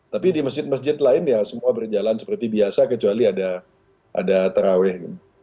tapi di masjid masjid lain ya semua berjalan seperti biasa kecuali ada terawih